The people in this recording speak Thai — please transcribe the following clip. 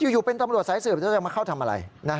อยู่เป็นตำรวจสายสืบจะมาเข้าทำอะไร